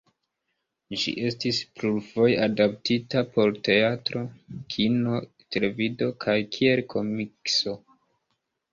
Ĝi estis plurfoje adaptita por teatro, kino, televido kaj kiel komikso.